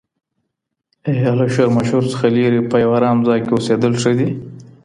ایا له شورماشور څخه لیري په یو ارام ځای کي اوسېدل ښه دي؟